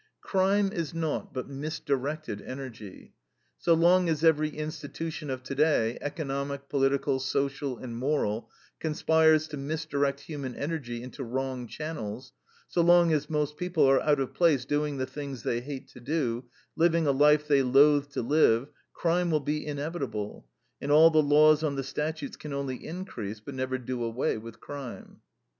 Crime is naught but misdirected energy. So long as every institution of today, economic, political, social, and moral, conspires to misdirect human energy into wrong channels; so long as most people are out of place doing the things they hate to do, living a life they loathe to live, crime will be inevitable, and all the laws on the statutes can only increase, but never do away with, crime.